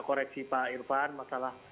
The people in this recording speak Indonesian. koreksi pak irvan masalah